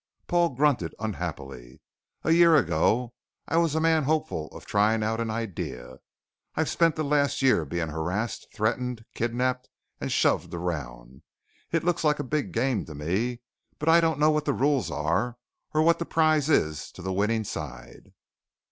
Paul grunted unhappily. "A year ago I was a man hopeful of trying out an idea. I've spent the last year being harassed, threatened, kidnaped, and shoved around. It looks like a big game to me but I don't know what the rules are or what the prize is to the winning side."